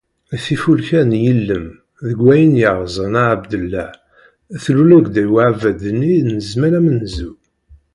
Tifulka n yilem, deg wayen yerzan Ɛebdellah, tlul-d deg uɛbad-nni n zzman amenzu.